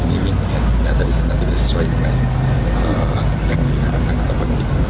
ini yang terjadi ini sesuai dengan yang diharapkan